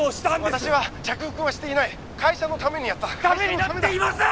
私は着服はしていない会社のためにやったためになっていません！